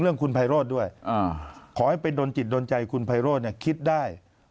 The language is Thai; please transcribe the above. เรื่องคุณไพโรดด้วยขอให้ไปดนจิตดนใจคุณไพโรดคิดได้